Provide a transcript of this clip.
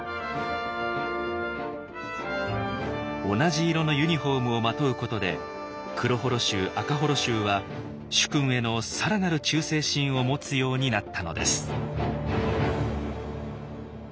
同じ色のユニフォームをまとうことで黒母衣衆赤母衣衆は主君へのさらなる忠誠心を持つようになったのです。